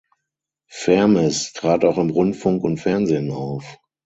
Vermes trat auch im Rundfunk und Fernsehen auf.